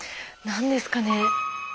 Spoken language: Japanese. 何ですかね。